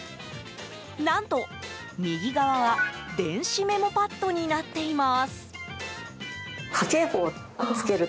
何と、右側は電子メモパッドになっています。